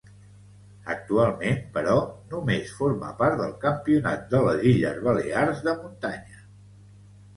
Actualment, però, només forma part del Campionat de les Illes Balears de muntanya.